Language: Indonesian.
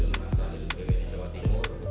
masa ilmiah di jawa tenggara